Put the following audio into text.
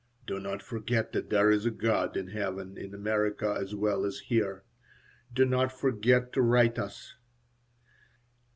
"Do not forget that there is a God in heaven in America as well as here. Do not forget to write us."